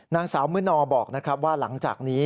นางสาวมื้อนอบอกนะครับว่าหลังจากนี้